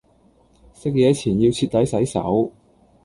食野前要徹底洗手